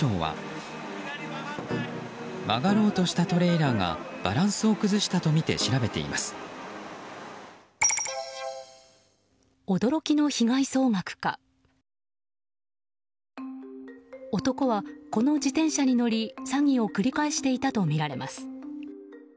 男はこの自転車に乗り詐欺を繰り返していたとみられます。